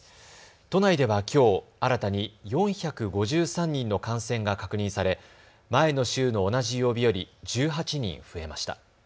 都内ではきょう、新たに４５３人の感染が確認され前の週の同じ曜日より１８人増えました。